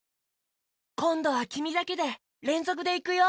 こんどはきみだけでれんぞくでいくよ！